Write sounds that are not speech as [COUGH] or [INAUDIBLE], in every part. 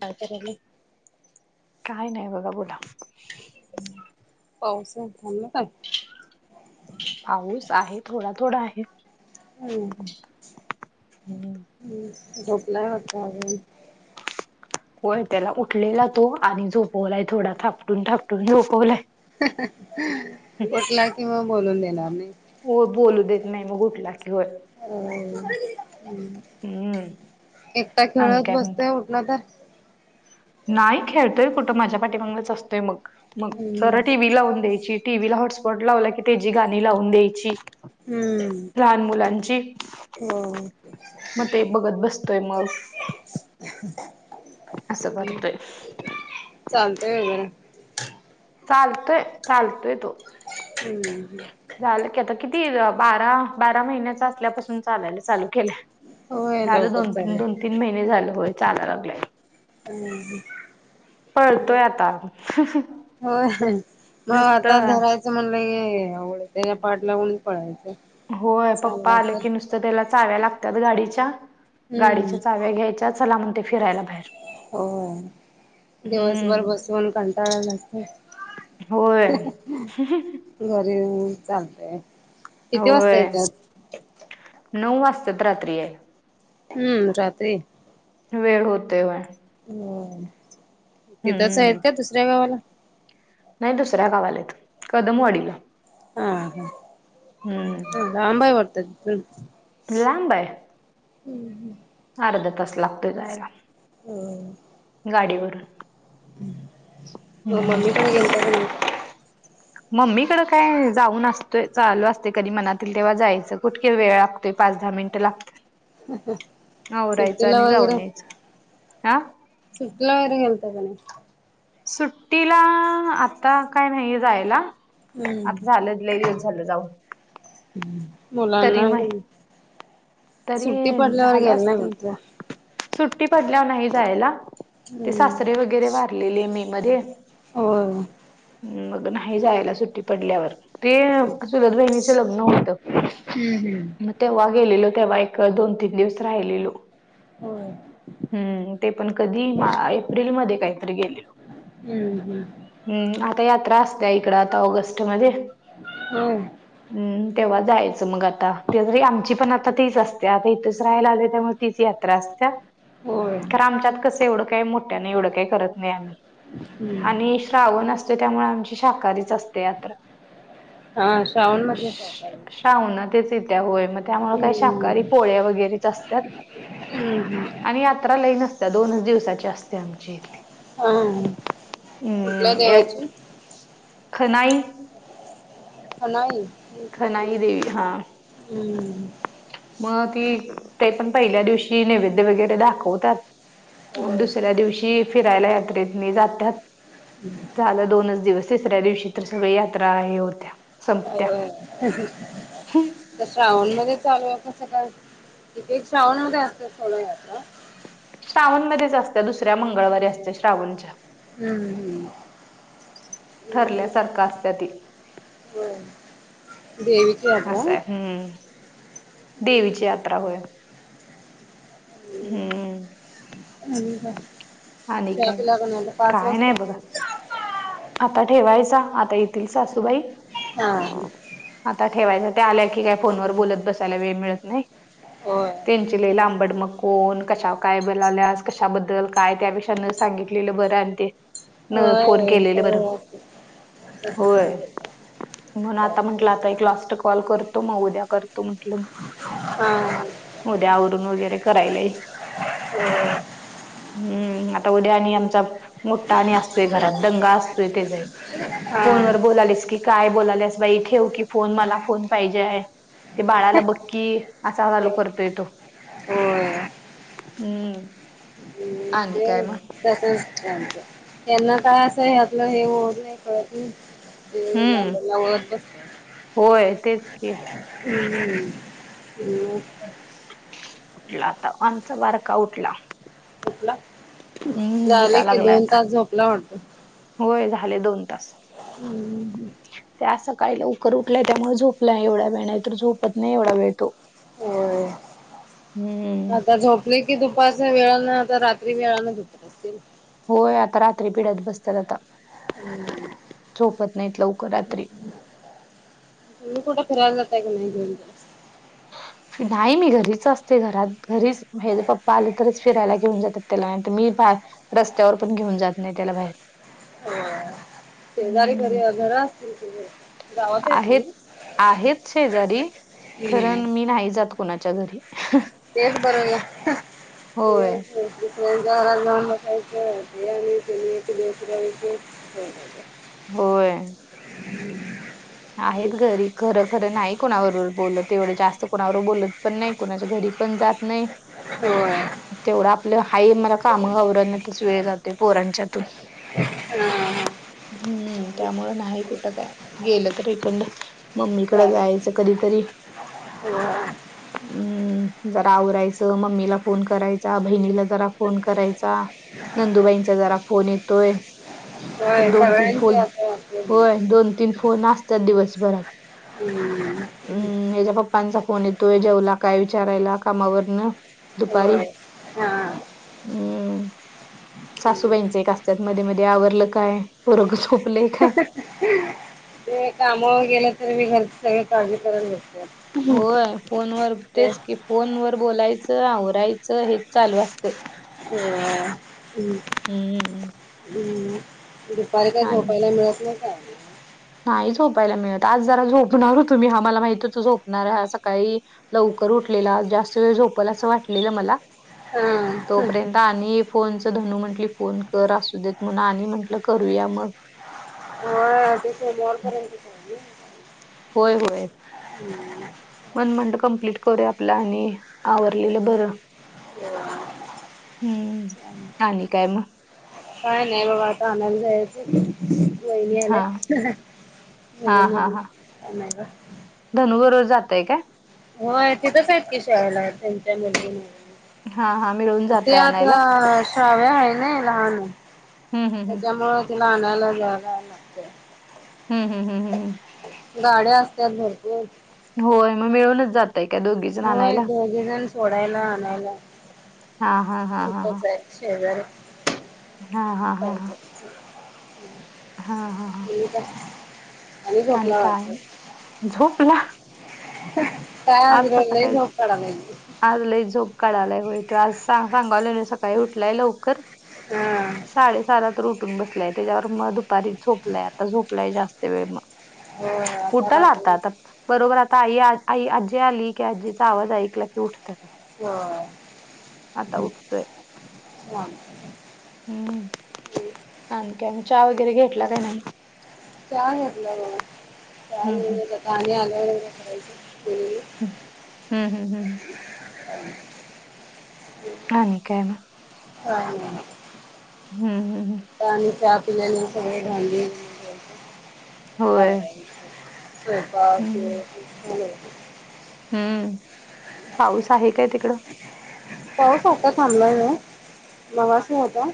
काय करायलय? काय नाही बघा बोला? पाऊस हे थांबलं काय? पाऊस आहे थोडा थोडा आहे. हम् हम्म झोपलाय वाटत आजुन होय त्याला उठलेला तो आणि झोपवलाय, थोडा थापटून थापटून झोपवलाय. [UNINTELLIGIBLE] उठला कि मग बोलून देणार नाही. हो बोलू देत नाही, मग उठला की होय. हो हम्म एकटा आणि खेळत काय बसतोय म्हणतय उठलं तर नाही खेळतोय कुठं? माझ्या पाठी मांगनच असतोय मग मग तर हम्म. टीव्ही लावून द्यायची टीव्ही ला हॉटस्पॉट लावला की, त्याजी गाणी लावून द्यायची. हम्म लहान मुलांची हो मग ते बघत बसतोय मग [UNINTELLIGIBLE] असं करतोय. चालतय वगैरे चालतोय चालतोय तो हम्म. झालं की आता, किती अ बारा बारा महिन्याच असल्यापासून चालायल चालू केलंय. होय झालं लवकर दोन तीन चालेल दोन तीन महिने झाल, होय चालाय लागलाय. हम्. पळतोय आता होय मग आता नुसतं धरायचं. च म्हणलं की आवघड होतय पाठ लागुन पळायचं. होय पप्पा चांगला आलं तर की नुसतं, त्याला चाव्या लागत्यात गाडीच्या हम्म गाडीच्या चाव्या घ्यायच्या. तर चला म्हणतय फिरायला बाहेर होय दिवसभर हम्म बसवून कंटाळा आलेला असतोय. होय. [UNINTELLIGIBLE] घरी हाय म्हणून चालतय. हा होय नऊ वाजतात रात्री घरी यायला हम्म रात्री वेळ होतोय व्हय. होय तिथंच आहेत हम्म का दुसऱ्या गावाला नाही दुसऱ्या गावाला हाईत कदमवाडीला हम्म. लांबाई वारतात. लांब आहे अर्धा तास लागतोय जायला. होम. गाडीवरून म हम्म मम्मी कड ग एंत न. मम्मी कडे काय जाऊन न असतो चालू असते कधी मनातील तेव्हा जायचं कुठके वेळ पाच दहा मिनट लागत नवरायचं सुट्टीला आणि जाऊन यायचं हा. सुटल्या वरगेंत गणे. सुट्टीला आता काय नाही जायला हम्म. आता झालं. झालं जाऊ. मुलांना सुट्टी तरी पडल्यावर झाल्या गेला नाही असतील. वाटतं. सुट्टी पडल्यावर नाही जायला ते हम्म. सासरे वगैरे वारलेली मी मध्ये हो. मग नाही जायला सुट्टी पडल्यावर तेजलद बहिणीचं लग्न होतं मग ते्हा गेलेलं. तेव्हा एक दोन तीन दिवस राहिलेलो. होय. हम्म ते पण कधी मा एप्रिलमध्येध्ये काहीतरी गेलेलो. हम्म हम्. हम्म आता यात्रा असते इकड आता ऑगस्ट मध्ये हम. हम् तेव्हा जायचं मग आता ते जरी आमची पण आ. आता तीच असते आता इथेच राहायला त्यामुळे तीच यात्रा असत्या. होर. आमच्यात कस एवढं काही मोठ्या नाही एवढं काही करत नाही आम्ही आणि श्रावण असते त्यामुळे आमची शाकाहारीच असते यात्रा हा श्रावण मधलेत. शाह ना तेच त्या्या होय मग त्यामुळे काही शाकाहारी हम्म पोळ्या वगैरे असतात. हम्म आणि यात्रा लई नसत्या दोनच दिवसाची असते आमच्या इथले हा कुठल्या एक- देवाची? खनाई. नाहीई खनाई देवी हा हम्म. मग ती ते पण पहिल्या दिवशी नैवेद्य वगैरे दाखवतात. होय दुसऱ्या दिवशी फिरायला यात्रेत नाही जातात. हम्. झालं दोनच दिवस तिसऱ्या दिवशी तर सगळ यात्रा हे होत्या. संपत्या. हो श्रावण मध्ये चालू. कस काय तथे श्रावण का असत सथोडंता श्रावणमध्येध्येच असत्या दुसऱ्या मंगळवारी असत्या श्रावणच्या [INAUDIBLE] हम्म हम् [INAUDIBLE] ठरल्यासारखा असत त [INAUDIBLE] [INAUDIBLE] होम. [INAUDIBLE] असंय हम्म देवीची यात्रा होयल. [INAUDIBLE] हम्म. [INAUDIBLE] का आणि चहा काय पिला करण्याला पास काय वात. नाही बघा. आता ठेवायचा आता येतील सासूबाई [INAUDIBLE] हा [INAUDIBLE] आता ठेवायच ते आल्या की काय फोनवर बोलत बसायला वेळ मिळत नाही [INAUDIBLE] [INAUDIBLE] हो. त्यांची ल ला आंबड मकन कशा काय बलाल्यास कशाबद्दल? काय त्यापेक्षा न सांगितलेलं बरं आणि ते [INAUDIBLE] न फोन होय केलेले बरं सगळं असतंय. [INAUDIBLE] होय. [INAUDIBLE] म्हणून आता म्हंटलं आता एक लास्ट कॉल करतो मग उद्या करतो म्हंटलं. [INAUDIBLE] हम. मोद्या आवरून वगैरे करायलाय. हम्. हम्म आता उद्या आणि आमचा मोठा आणि असतोय घरात दंगा असतोय ते जाई. हा फोनवर बोलालेस की काय बोलालेस बाई ठेवू की फोन मला फोन पाहिजे आहे. ते बाळाला बक्की असा चालू होय करतो येतो. होय हम्म. आणि काय मग [INAUDIBLE] तसचत त्यांना काय असंतलं हे नाही कळत नाही. ते हम्म लाबला होत [INAUDIBLE] होय तेच क [INAUDIBLE] हम्म हम्. [INAUDIBLE] उठला आता आमचा वारका उठला. [INAUDIBLE] झपला हम्म झाले उठा की लागलाय दोन आता तास झोपला वाटतो. होय झाले दोन तास [INAUDIBLE] हम् ह. [INAUDIBLE] तेंकाळीला उकर उठलंय त्यामुळे झोपला एवढा वेळ नाही तर झोपत नाही एवढा वेळ तो हो हम्म आता झोप. की दुप वेळा आता रात्री वेळाने दुप अस. होय आता रात्री पिढ्यात बसतात आता [INAUDIBLE] झोपत नाहीत लवकर रात्री नल् कुठ फराय जातय का नाही. नाही मी घरीच असते घरात घरीच म्ह ज पप्पा आले तरच फिरायला घेऊन जातात त्याला नाहींतर मी बा. [INAUDIBLE] रस्त्यावर पण घेऊन जात नाही त्याला बाहेर हो शेजारी हम्म घरी घर असतील तुझ? आहेत आहेतच शेजारी हम्म कारण मी नाही जात. कणाच्या घरी तेस होय बरो ना हो. बयच आणि त्यांस होय. आहेत घरी खरं खरं नाही कोणावर बोलत एवढे जास्त कोणावर बोलत पण नाही कोुणाच्या घरी पण जात नाही. हो. [INAUDIBLE] तेवढं आपलं हाई मला काम गौण्यातच वेळ जाते पोरांच्यातून हा हा हम्म त्यामुं नाही कुठं काय गेलं तर एकण. मम्मीकडे चालेल. जायचं कधीतरी होय हम्म जरा आवरायचं मम्मीला फोन करायचा बहिणीला जरा [INAUDIBLE] फोन करायचा नंदुबाईंचा जरा फोन येतोय. एक होय दोन तीन सगळ्यांची फोन असं असते. होय दोन तीन फोन असत. दिवसभरात हम्म. हम् ह्या पप्पांचा फोन येतोय जेवला काय विचारायला कामावरन दुपारी होय हा हम्म सासूबाईंच एक का असत्याात मध्ये मध्ये आवरलं काय? पूरग झोपलेख आहे. ते कामावर गेलं तर मी घरची सगळ काळजी करून घेेततो. होय फोनवर तेच की फोन व बोलायचं आवरायचं. च हे चालू असतय. होय हम् हम्ममम हम्म दुपारी काय झोपायला मिळत नाही. काय नाही. नाही झोपायला मिळत आज जरा झोपणार होतो मी हा मला माहित होत झोपणाराय हा सकाळी लवकर उठलेला जास्त वेळ झोपल असं वाटलेलं मला हा ह [INAUDIBLE] पाणी फोनच धनू म्हंटली फोन कर असू देत म्हणून आणि म्हटलं करूया मग हो तिथ बॉल करची स [INAUDIBLE] होय होय मन म्हंटल कमप्लीट करूया आपला आणि आवरलेलं बरं हम्म आणि काय मग हो काय नाही बघा आता आनाला जायच वहिनी हां, आलेत मुलीना [INAUDIBLE] आंनायला धनु बरोबर जातोय काय होय तिथंच आहेत की शाळेला त्यांच्या मुलगी मुळ हां, हां. मिळून ते जाताय आता आणायला. शकाव्या आहे ना लहान हं, हं, हं. त्याच्यामुळे तिला आनायला जायाला लागतय. हम् हम हम हम हम गाड्या असत्यात भरपूर होय मग मिळूनच जात त काय दोघी होय दोघे जण सोडायला आणायला हां, हां, हां, खूपच हाय शेजारी हा हा हा हा हां, हां. [UNINTELLIGIBLE] आणि झोपला वाढत झोपला? आज कसा काय आज लय झोप काढालाय होय तो आज सांगालोय नव सकाळी उठलाय लवकर हा साडेसातला तर उठून बसलाय लाय तेच्यावर मग दुपारी झोपलाय आता झोपलाय जास्त वेळ मग होय आता उठल रात्री आता. बरोबर आता आई आई आजी आली की आजीचा आवाज ऐकला की उठतात आता होय उठतोय. हा हम्म आणि काय म चहा वगैरे घेतला का नाही चहा घेतला बघा हम्म आता आणि आल्यावर एकदा करायच ह हम्म हम् हम् [UNINTELLIGIBLE] आणि काय मग हा हम्म हम् हम आणि चहा पिल्याला सगळं भांडी होय आवरायचं स्वयंपाक हम्म हम्म पाऊस आहे काय तिकडं.. पाऊस आता थांबलाय नव मघाशी होता.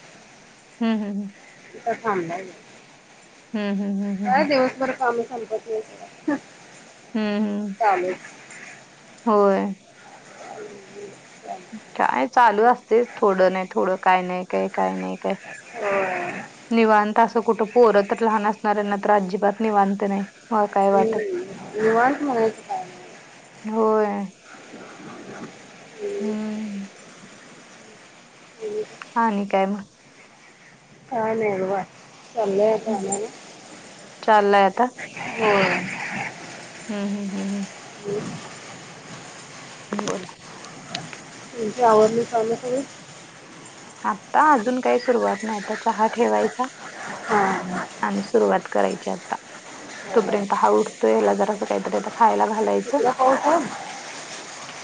हम् हम् हम. आता थांबलाय जरा. हम् हम हम. काय दिवसभर काम संपत नाही हम्म हम्म चालेल होय. काय चालू असते थोडं नाही थोडं काय नाही काय काय नाही काय. होय हम्म. निवांत असं कुटुंब. पोरात लहान असणाऱ्यांना तर अजिबात नाही बधत नाही मला काय वाटत. निवांत म्हणायचं काय होय [INAUDIBLE] हम्म हो हा न काय मग का नाही हम्म. चाले चाललाय आता ना हो. हम् हम हम् हम. हम्. ब बोला. तुमची आवडली चालू करू. आता अजून काय. सुरुवात नाही आता चहा ठेवायचा हां आणि सुरुवात करायची आता. तोपर्यंत हा उठतो याला जर असं काहीतरी आता खायला घालायचं. तिकडं पाऊस आहे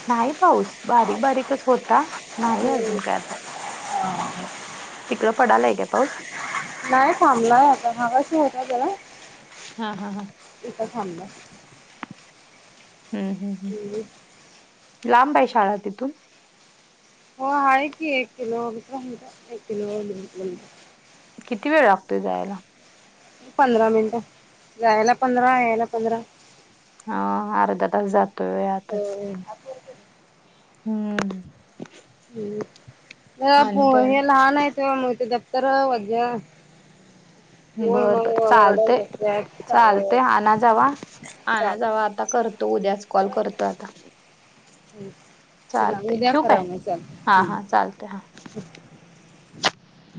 नाही पाऊस बारीक बारीकच होता नाही अजून काय आता ह. तिकडं पडालाय का पाऊस. नाही थांबलाय आता ह कशी होत त्याला हा हा हा हम्म हम्म. हम् हम्म. लांब आहे शाळा तिथून. हो आहे कि एक किलो म म्हणत एक किलो दि म्हण. किती वेळ लागतोय जायला. पंधरा मिनटं जायला पंधरा यायला पंधरा. अ अर्धा तास जातोय आतच. हम्म. हम् आणि काय हे लहान आहेत ते मग ते दप्तर वाज. बरं बर चालत. वरडत बसल्यात चालते चालत आणना जावा आणना चालत जावा आता करतो उद्याच कॉल करतो आता. हा चालते उद्या ठेवू काय खराब चल हा हम्. हा चालते हा